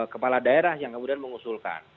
kepala daerah yang kemudian mengusulkan